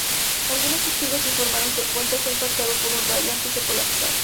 Algunos testigos informaron que el puente fue impactado por un rayo antes de colapsar.